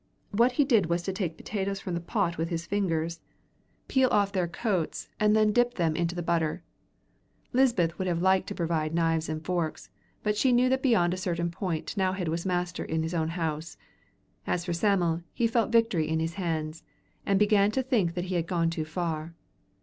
What he did was to take potatoes from the pot with his fingers, peel off their coats, and then dip them into the butter. Lisbeth would have liked to provide knives and forks, but she knew that beyond a certain point T'nowhead was master in his own house. As for Sam'l, he felt victory in his hands, and began to think that he had gone too far.